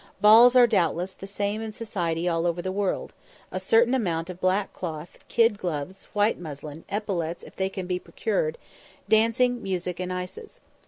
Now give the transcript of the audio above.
Balls are doubtless the same in "society" all over the world; a certain amount of black cloth, kid gloves, white muslin, epaulettes if they can be procured, dancing, music, and ices.